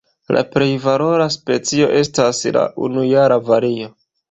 La plej valora specio estas la unujara vario.